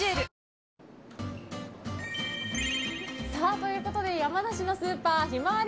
ということで山梨のスーパーひまわり